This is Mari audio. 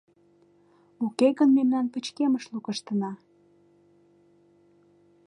Уке гын мемнан пычкемыш лукыштына...